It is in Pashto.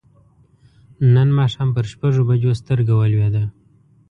نن ماښام پر شپږو بجو سترګه ولوېده.